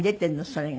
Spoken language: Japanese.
それが。